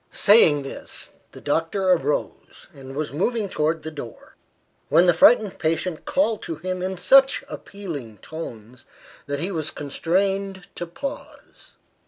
Saying this, the doctor arose, and was moving towards the door, when the frightened patient called to him in such appealing tones, that he was constrained to pause.